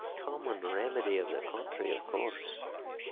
Common remedyof the country, of course.